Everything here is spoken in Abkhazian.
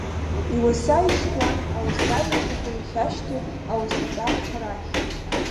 Иуаса ишьҭуан Ауасаҩырҭа ҳәа иахьашьҭоу ауасатәарақәа рахь.